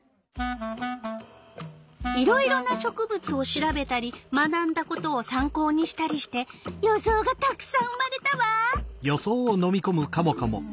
いろいろな植物を調べたり学んだことをさん考にしたりして予想がたくさん生まれたわ！